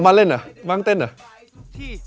โมทีมันคือนี้